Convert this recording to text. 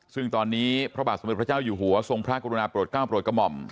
ซึ่งตอนนี้พระบาทสมเด็จพระเจ้าอยู่หัวทรงพระกรุณาโปรดก้าวโปรดกระหม่อม